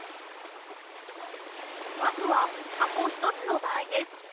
まずは箱１つの場合です。